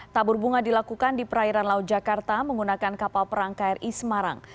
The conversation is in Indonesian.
tabur bunga dilakukan di perairan laut jakarta menggunakan kapal perang kri semarang